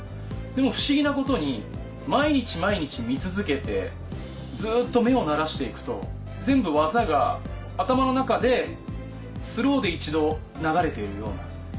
でも不思議なことに毎日毎日見続けてずっと目を慣らして行くと全部技が頭の中でスローで一度流れているような。